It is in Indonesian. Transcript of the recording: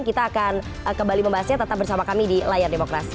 kita akan kembali membahasnya tetap bersama kami di layar demokrasi